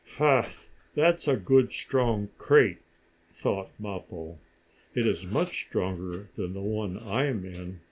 "Ha! That is a good, strong crate!" thought Mappo. "It is much stronger than the one I am in.